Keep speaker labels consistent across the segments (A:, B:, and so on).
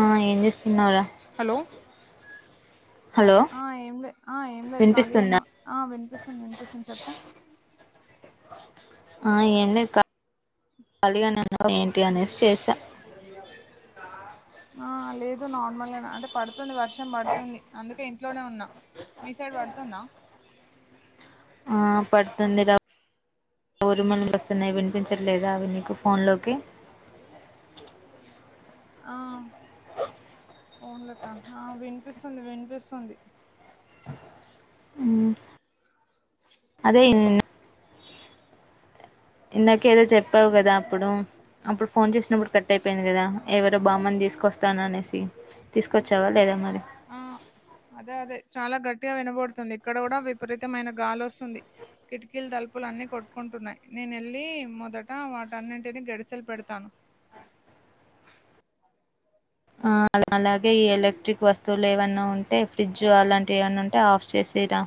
A: ఆ ఏం చేస్తున్నావురా హలో
B: ఆ ఏం లేదు ఏం లేదు ఖాళీగానే
A: వినిపిస్తుందా
B: వినిపిస్తుంది వినిపిస్తుంది చెప్పు
A: ఆ ఏం లేదు కలీగనే ఉన్న ఏంటి అనేసి చేసా
B: ఆ లేదు నార్మల్ గానే అంటే పడుతు పడుతుంది వర్షం పడుతుంది అందుకే ఇంట్లోనే ఉన్నా మీ సైడ్ పడుతుందా
A: ఆ పడుతుంది రా ఊరు ములు వస్తున్నాయి వినిపించట్లేదా అవి నీకు ఫోన్లోకి
B: అ ఫోన్లకా ఆ వినిపిస్తుంది వినిపిస్తుంది
A: హ్ అదే ఇందాక ఏదో చెప్పవు కదా అప్పుడు అప్పుడు ఫోన్ చేసినప్పుడు కట్ అయిపోయింది. కదా ఎవరో బామ్మను తీసుకొస్తాను అని అనేసి తీసుకొచ్చావా లేదా మరి
B: ఆ అదే అదే చాలా గట్టిగా వినబడుతుంది ఇక్కడ కూడా విపరీతమైన గాలి వస్తుంది కిటికీలు తలుపులు అన్ని కొట్టుకుంటున్నాయి. నేను వెళ్ళి మొదట వాటన్నింటిని గడిచలు పెడతాను
A: ఆ అలాగే ఈ ఎలక్ట్రిక్ వస్తువులు ఏవైన్నా ఉంటే ఫ్రిడ్జ్ అలాంటివి ఏమైన్నా ఉంటే ఆఫ్ చేసి చేయిరా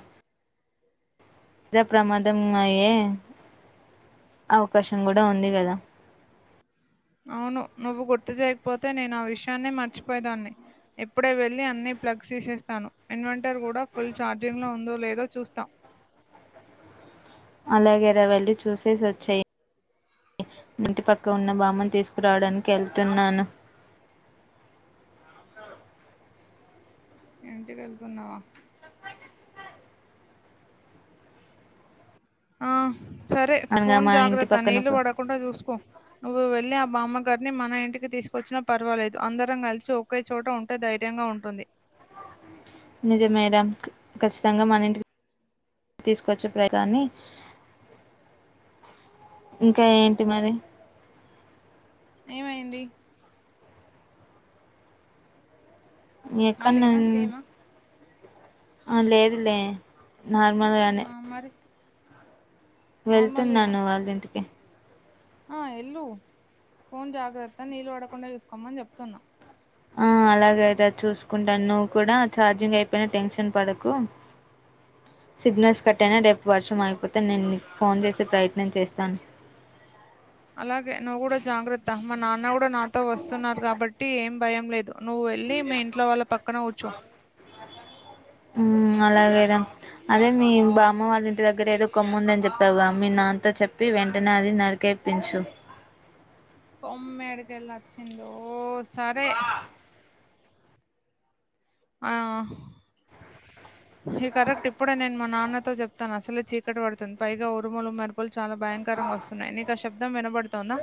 A: ఇదా ప్రమాదం అయ్యే అవకాశం కూడా ఉంది గాదా
B: అవును నువ్వు గుర్తు చేయకపోతే నేను ఆ విషయాన్ని మర్చిపోయేదాన్ని ఇప్పుడే వేళ్లి అన్ని ప్లగ్స్ తీసేస్తాను ఇన్వెంటర్ కూడా ఫుల్ చఛార్జింగ్ లో ఉందో లేదో చూస్తా
A: అలాగేరా వెళ్ళి చూసేసి వచ్చేయి ఇంటి పక్క ఉన్న బామ్మను తీసుకురావడానికి వెళ్తున్నాను
B: ఇంటికి వెళ్తున్నావా ఆ సరే
A: అనగా
B: ఫోన్
A: మా ఇంటి
B: జాగ్రత్త
A: పక్కన
B: నీళ్లు
A: ఒక
B: పడకుండా చూసుకో నువ్వు వెళ్ళి మా అమ్మగారిని మన ఇంటికి తీసుకొచ్చినా పర్వాలేదు అందరం కలిసి ఒకే చోట ఉంటే ధైర్యంగా ఉంటుంది.
A: నిజమేరా ఖచ్చితంగా మనంటి తీసుకొచ్చి ప్రగాన్ని ఇంకా ఏంటి మరి
B: ఏమైంది
A: ఎక్కన్నా
B: మళ్ళీనా సేమా?
A: ఆ లేదు లే నార్మల్ గానె
B: ఆ! మరి? నార్మల్‌గా
A: వెళ్తున్నాను వాళ్ళింటికి
B: ఆ ఎల్లు ఫోన్ జాగ్రత్త నీళ్ళు పడకుండా చూసుకోమని చెప్తున్నా
A: అలాగైతే చూసుకుంటాను నువ్వు కూడా ఛార్జింగ్ అయిపోయిన టెన్షన్ పడకు సిగ్నల్స్ కట్టయినా రేపు వర్షం ఆగిపోతే నేను మీకు ఫోన్ చేసే ప్రయత్నం చేస్తాను
B: అలాగే నువ్వు కూడా జాగ్రత్త మా నాన్న కూడా నాతో వస్తున్నారు కాబట్టి ఏం భయం లేదు నువ్వు వెళ్ళి మీ ఇంట్లో వాళ్ళ పక్కన కూర్చో
A: మ్ అలాగే రా అదే మీ బామ్మ వాళ్ళ ఇంటి దగ్గర ఏదో కొమ్ముందని చెప్పావుగా మీ నా అంత చెప్పి వెంటనే అది నరికేపించు
B: కొమ్మేడికెల్లచ్చిందొ సరే ఆహ్ హి కరెక్ట్ ఇప్పుడే నేన్ మా నాన్నతో చెప్తాను అసలే చీకటి పడుతుంది పైగా ఉరుములు మెరుపులు చాలా భయంకర్ విధంగ వస్తున్నాయి నీకా శబ్దం వినబడుతోందా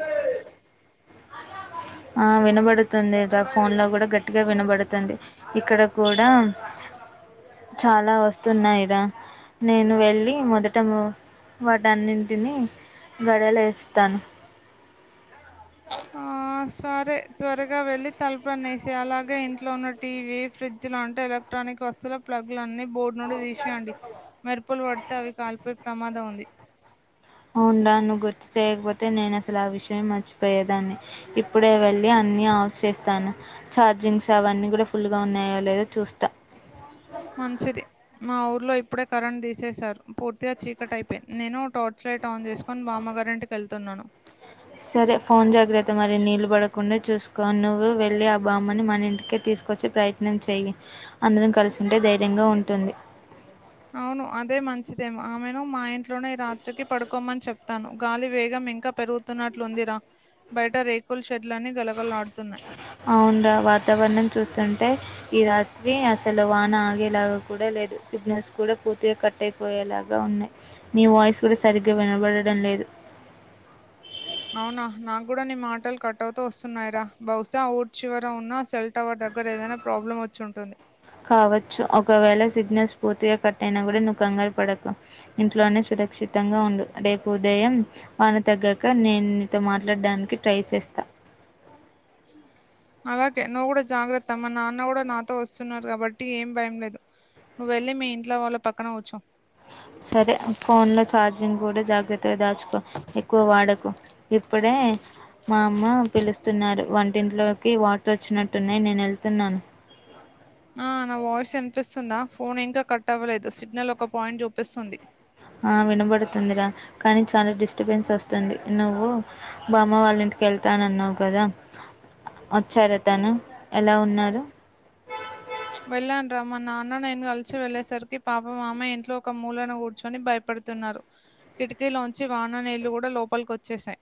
A: ఆ వినబడుతుంది రా ఫోన్ లో కూడా గట్టిగా వినబడుతుంది ఇక్కడ కూడా
B: [unintelligible] [inaudible]
A: చాలా వస్తున్నాయి రా నేను వెళ్ళి మొదట వ వాటన్నింటిని వడలేస్తాను
B: ఆ ఆ సరే త్వరగా వెళ్ళి తలుపులన్ని ఏసేయ్ అలాగే ఇంట్లో ఉన్న టీవీ ఫ్రిడ్జ్ లు అంటే ఎలక్ ఎలక్ర్టానిక్ వస్తువుల ప్లగ్గులన్నీ బోర్డ్ నుండి తీసేయండి మెరుపులు పడితే అవి కాలిపోయే ప్రమాదం ఉంది
A: అవుండా నువ్ గుర్తు చేయకపోతే నేనసలు ఆ విషయమే మర్చిపోయేదాన్ని ఇప్పుడే వెళ్ళి అన్ అన్ని ఆఫ్ చేస్తాను చార్జింగ్స్ అవన్నీ కూడా ఫుల్ గా ఉన్నాయో లేదో చూస్తా
B: మంచిది మా ఊర్లో ఇప్పుడే కరెంట్ తీసేసారు పూర్తిగా చీకటయిపోయింది నేను టార్చ్ లైట్ ఆన్ చేసుకొని బామ్మగార్ కరెంట్ కెళ్తున్నాను
A: సరే ఫోన్ జాగ్రత్త మరి నీళ్ళు పడకుండా చూస్ కో నువ్వు వెళ్లి ఆ బామ్మని మన ఇంటికే తీసుకొచ్చే ప్రయత్నం చేయి అందరం కలిసుంటే ధైర్యం గా ఉంటుంది
B: అవును అదే మంచిదేమో ఆమెను మా ఇంట్లోనే ఈ రాత్రికి పడుకోమని చెప్తాను. గాలి వేగం ఇంకా పెరుగుతున్నట్లుందిరా బయట రేకుల్ షెడ్ గలగల్ ఆడుతున్నాయి.
A: అవున్ రా వాతావరణం చూస్తుంటే ఈ రాత్రి అసలు వాన ఆగేలాగా కూడా లేదు సిగ్నల్స్ కూడా పూర్తిగా కట్ అయిపోయేలాగా ఉన్నాయి నీ వాయిస్ గూడా సరిగ్గ వినబడడం లేదు
B: అవునా నాక్ కూడా నీ మాటలు కట్ అవుతూ వస్తున్నాయిరా బహుశా ఊర్ చివర ఉన్నా సెల్ టవర్ దగ్ దగ్గర ఏదైనా ప్రాబ్లమ్ వచ్చి ఉంటుంది.
A: కావచ్చు ఒకవేళ సిగ్నల్స్ పూర్తిగా కట్టయినా కూడా నువ్ కంగారుపడకు ఇంట్లోనే షిట సురక్షితంగా ఉండు రేపు ఉదయం వాన తగ్గాక నేన్ నీతో మాట్లాడడానికి ట్రై చేస్తా.
B: నాకు నచ్చిన అలాగే నువ్వు గూడా జాగ్రత్త మా నాన్న కూడా నాతో వస్తున్నారు కాబట్టి ఏం భయం లేదు నువ్వు వెళ్ళి మీ ఇంట్లో వాళ్ళ పక్కన కూర్చో
A: సరే ఫోన్లో చార్జింగ్ గూడా జాగ్రత్తగా దాచుకో ఎక్కువ వాడకు ఇప్పుడే మా అమ్మ పిలుస్తున్నారు వంటింట్లోకి వాటర్ వచ్చినట్టున్నాయి నేనేళ్తున్నాను
B: [unintelligible] ఆ నా వాయిస్ వినిపిస్తుందా ఫోన్ ఇంకా కట్ అవ్వలేదు సిగ్నల్ ఒక పాయింట్ చూపిస్తుంది
A: అ వినబడుతుందిరా కానీ చాలా డిస్టర్బెన్స్ వస్తుంది నువ్వు బామ్మ వాళ్ళింటికెళ్తా న్నన్నావు కదా వోచ్చార తను ఎలా ఉన్నారు
B: వెళ్ళాను రా మా నాన్న నేన్ కలిసి వెళ్ళేసరికి పాపం ఆమె ఇంట్లో ఒక మూలన కూర్చొని భయపడుతున్నారు కిటికీలోంచి వాన నీళ్ళు కూడా లోపలికోచ్చేసాయి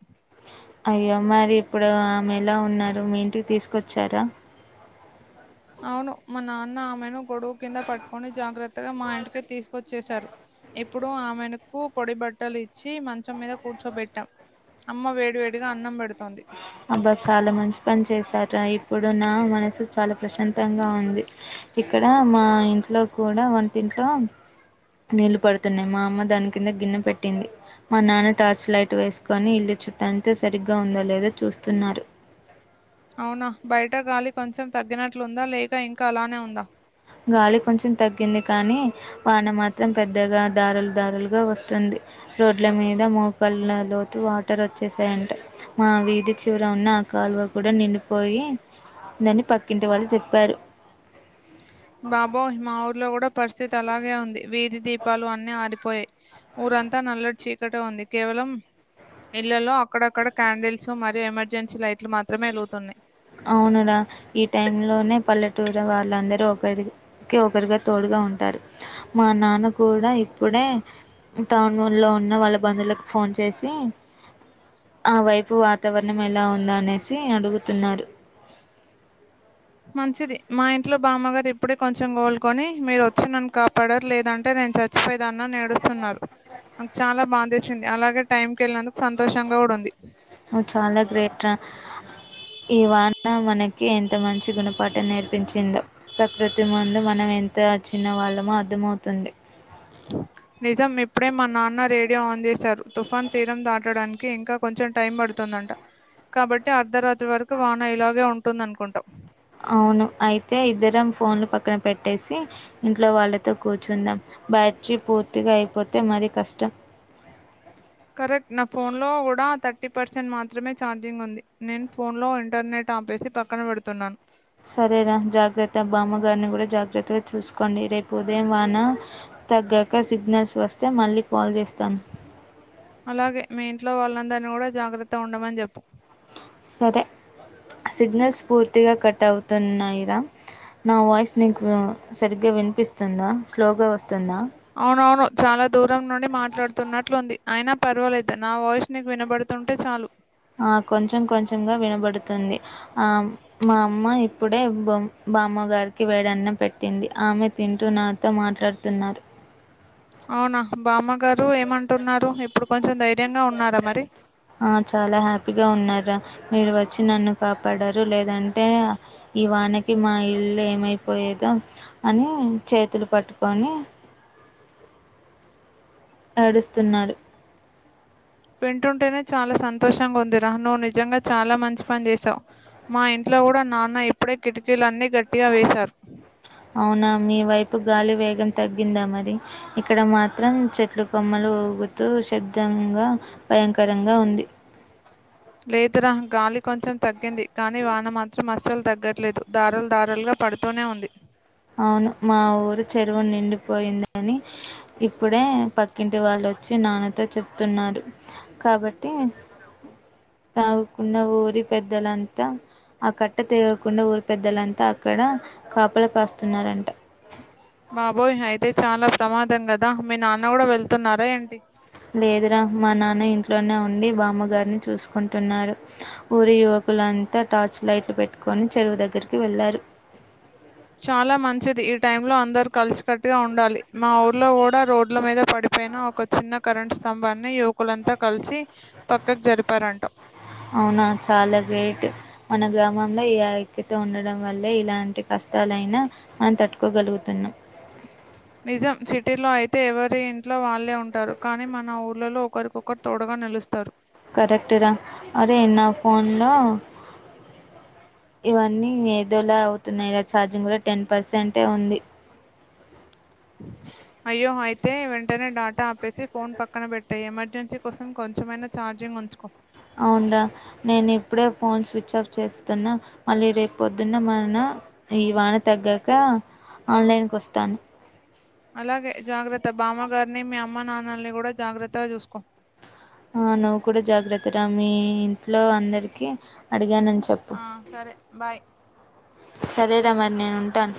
A: అయ్యో మరి ఇప్పుడు ఆమె ఎలా ఉన్నారు మీ ఇంటికి తీసుకొచ్చారా
B: అవును మా నాన్న ఆమెను గొడుగు కింద పట్టుకొని జాగ్రత్తగా మా ఇంటికి తీసుకొచ్చేశారు ఇప్పుడు ఆమెనుకు పొడి బట్టలు ఇచ్చి మంచం మీద కూర్చోబెట్టా అమ్మ వేడ్ వేడిగా అన్నం పెడుతోంది
A: తర ఇప్పుడు నా మనసు చాలా ప్రశాంతంగా ఉంది ఇక్కడ మా ఇంట్లో కూడ్ అల వంటింట్లో నీళ్లు పడుతున్నాయి మా అమ్మ దాని కింద గిన్నె పెట్టింది మా నాన్న టార్చ్ లైట్ వేసుకొని ఇల్లు చుట్టంత సరిగ్గా ఉందోలేదో చూస్తున్నారు
B: అవునా బయట గాలి కొంచెం తగ్గినట్లుందా లేక ఇంకా అలానే ఉందా
A: గాలి కొంచెం తగ్గింది కానీ వాన మాత్రం పెద్దగా దారలు దారలుగా వస్తుంది రోడ్ల మీద మోకళ్ల లోతు వాటర్ వచ్చేసాయంట మా వీధి చివర ఉన్న ఆ కాల్వ కూడా నిండిపోయి దని పక్కింటి వాళ్ళు చెప్పారు
B: బాబోయ్ మా ఊర్లో కూడా పరిస్థితి అలాగే ఉంది వీధి దీపాలు అన్ని ఆరిపో పోయి ఊరంతా నల్లటి చీకటే ఉంది కేవలం ఇళ్లలో అక్కడక్కడ క్యాండిల్స్ మరియు ఎమర్జెన్సీ లైట్లు మాత్రమే వెలుగుతున్నాయి
A: అవునుర ఈ టైం లోనే పల్లెటూరు వాళ్ళందరూ ఒకరి కె ఒకరిగా తోడుగా ఉంటారు మా నాన్న కూడా ఇప్పుడే టౌన్లో ఉన్న వాళ్ళ బంధువులకు ఫోన్ చేసి ఆ వైపు వాతావరణం ఎలా ఉందా అనేసి అడుగుతున్నారు
B: మంచిది మా ఇంట్లో బామగారు ఇప్పుడే కొంచెం కోల్కొని మీరు వచ్చి నన్ను కాపాడరు లేదంటే నేను చచ్చిపోయే దాన్ని అని ఏడుస్తున్నారు నాక్ చాలా బాధేసింది అలాగే టైం కెళ్ళినందు
A: నువ్వు చాలా గ్రేట్ర ఇవాన్ మనకి ఎంత మంచి గుణపాఠం నేర్పించిందో ప్రకృతి ముందు మనం ఎ త చిన్న వాళ్ళమో అర్థమవుతుంది
B: బ నిజం ఇప్పుడే మా నాన్న రేడియో ఆన్ చేశారు తుఫాన్ తీరం దాటడానికి ఇంకా కొంచెం టైం పడుతు దంట కాబట్టి అర్ధరాత్రి వరకు వాన ఇలాగే ఉంటుంది అనుకుంటా
A: అవును అయితే ఇద్దరం ఫోన్లు పక్కన పెట్టేసి ఇంట్లో వాళ్ళతో కూర్చుందాం బ్యాట్రీ పూర్తిగా అయిపోతే మరి కష్టం
B: కరెక్ట్ నా ఫోన్ లో కూడా థర్టీ పర్సెంట్ మాత్రమే ఛార్జింగ్ ఉంది నేను ఫోన్ లో ఇంటర్నెట్ టపేసి పక్కన పెడుతున్నాను
A: సరేరా జాగ్రత్త బామ్మగారిని కూడా జాగ్రత్తగా చూసుకోండి రేపు ఉదయం వాన తగ్గాక సిగ్నల్స్ వస్తే మళ్ళీ కాల్ చేస్త
B: అలాగే మీ ఇంట్లో వాళ్ళందరినీ కూడా జాగ్రత్త ఉండమని చెప్పు
A: సరే సిగ్నల్స్ పూర్తిగా కట్ అవుతున్నాయిరా నా వాయిస్ నీకు సరిగ్గా వినిపిస్తుందా స్లోగా వస్తుందా
B: అవునవును చాలా దూరం నుండి మాట్లాడుతున్నట్లుంది అయినా పర్వాలేదు నా వాయిస్ నీకు వినబడుతు అట్లుంటే చాలు
A: ఆ కొంచెం కొంచెంంగా వినబడుతుంది ఆ మా అమ్మ ఇప్పుడే బొమ్ బామ్మగారికి వేడన్న పెట్టింది ఆమె తింటూ నాతో మాట్లాడుతున్నారు
B: అవునా బామ్మ గారు ఏమంటున్నారు ఇప్పుడు కొంచెం ధైర్యంగా ఉన్నారా మరి
A: ఆ చాలా హ్యాపీగా ఉన్నారా మీరు వచ్చి నన్ను కాపాడరు లేదంటే ఈ వానకి మా ఇల్లు ఏమైపోయేది అని చేతులు పట్టుకొని ఏడుస్తున్నారు
B: వింటుంటేనే చాలా సంతోషంగా ఉంది రా నువ్వు నిజంగా చాలా మంచి పని చేసావు మా ఇంట్లో లో కూడా నాన్న ఇప్పుడే కిటికీలు అన్ని
A: అవునా మీ వైపు గాలి వేగ గం తగ్గిందా మరి ఇక్కడ మాత్రం చెట్లు కొమ్మలు ఊగుతూ శబ్దంగా భయంకరంగా ఉంది
B: ఆ లేదురా గాలి కొంచెం తగ్గింది కానీ వాన మాత్రం అస్సలు తగ్గట్లేదు దారాలు దారాలుగా పడుతూనే ఉంది
A: అవును మా ఊరి చెరువు నిండిపోయిందని ఇప్పుడే పక్కింటి వాళ్ళు వచ్చి నాన్నతో చెప్తున్నారు కాబట్టి తాగాకున్న ఊరి పెద్దల అంత ఆ కట్ట తెగకుండా ఊరి పెద్దలంతా అక్కడ కాపల కాస్తున్నారంట
B: బాబోయ్ అయితే చాలా ప్రమాదం గదా మీ నాన్న కూడా వెళ్తున్నారా ఏంటి
A: లేదురా మా నాన్న ఇంట్లోనే ఉండి బామ్మగారిని చూసుకుంటున్నారు ఊరి యువ కులంతా టార్చ్ లైట్లు పెట్టుకొని చెరువు దగ్గరికి వెళ్ళారు
B: [inaudible] చాలా మంచిది ఈ టైంలో అందరు కలిసికట్టుగా ఉండాలి మా ఊర్లో కూడా రోడ్ల మీద పడి పైన ఒక చిన్న కరెంట్ స్తంభాన్ని యువకులంతా కలిసి పక్కకు జరిపారంట
A: అవునా చాలా గ్రేట్ మన గ్రామంలో ఈ ఐక్యత ఉండడం వల్లే ఇలాంటి క ష్టలయినా మనం తట్టుకోగలుగుతున్నాం
B: నిజం సిటీలో అయితే ఎవరి ఇంట్లో వాళ్ళే ఉంటారు కానీ మన ఊర్లలో ఒకరికొకరు తోడుగా నిలుస్తారు
A: కరెక్ట్ రా అరే నా ఫోన్లో ఇవన్నీ ఏదోలా అవుతున్నాయిరా ఛార్జింగ్ కూడా టెన్ పర్సెంటే ఉంది
B: అయ్యో అయితే వెంటనే డాటా ఆప్పేసి ఫోన్ పక్కన పెట్టాయి ఎమర్జెన్సీ కోసం కొంచెమయిన ఛార్జింగ్ గ్ ఉంచుకో
A: అవున్రా నేను ఇప్పుడే ఫోన్ స్విచ్ ఆఫ్ చేస్తున్నా మళ్ళీ రేపు పొద్దున్న మన ఈ వాన తగ్గాక ఆన్లైన్కు వస్తాను.
B: అలాగే జాగ్రత్త బామ్మగారిని మీ అమ్మ నాన్నల్ని గూడా జాగ్రత్తగా చూసుకో
A: ఆ నువ్వు కూడా జాగ్రత్తరా మీ ఇంట్లో అందరికి అడిగానని
B: ఆ సరే బాయ్
A: సరే రా మరి నేను ఉంటాన్.